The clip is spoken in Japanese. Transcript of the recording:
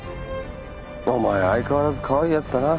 お前は相変わらずかわいいヤツだな。